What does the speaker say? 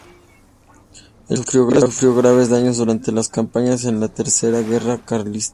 El castillo sufrió graves daños durante las campañas de la Tercera Guerra Carlista.